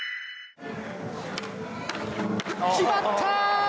決まった！